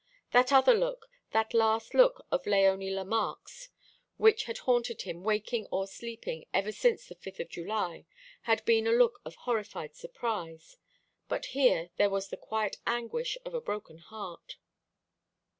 That other look, that last look of Léonie Lemarque's, which had haunted him waking or sleeping ever since the 5th of July, had been a look of horrified surprise. But here there was the quiet anguish of a broken heart.